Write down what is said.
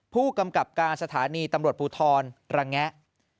ผู้กำกับการสถานีตำรวจภูทรระแงะ